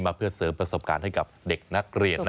เพื่อเสริมประสบการณ์ให้กับเด็กนักเรียน